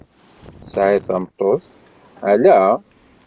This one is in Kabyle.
Tesɛiḍ tameṭṭut, alla?